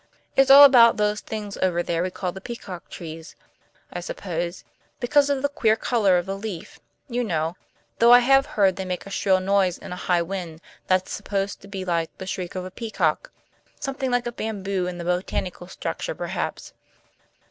"It's all about those things over there we call the peacock trees I suppose, because of the queer color of the leaf, you know, though I have heard they make a shrill noise in a high wind that's supposed to be like the shriek of a peacock; something like a bamboo in the botanical structure, perhaps.